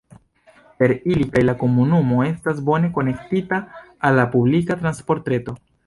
Per ili kaj la komunumo estas bone konektita al la publika transportreto.